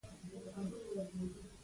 زه د موسیقۍ میوزیک تمرین کوم.